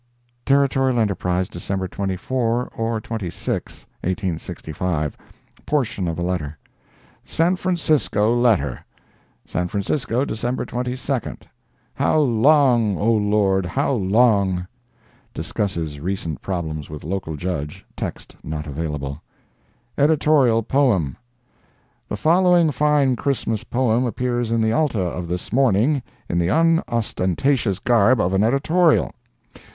Territorial Enterprise, December 24 or 26, 1865 [portion of letter] San Francisco Letter SAN FRANCISCO, Dec. 22. HOW LONG, O LORD, HOW LONG [discusses recent problems with local judge—text not available] EDITORIAL POEM. The following fine Christmas poem appears in the Alta of this morning, in the unostentatious garb of an editorial.